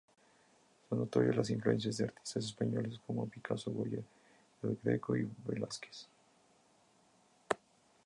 Son notorias las influencias de artistas españoles como Picasso, Goya, El Greco y Velázquez.